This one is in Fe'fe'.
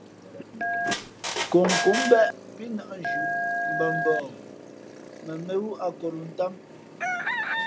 Nkomnkǒm mbéʼ pí nᾱʼ nzhʉʼ mbα mbαα mα mēnwú akolǒʼ ntám.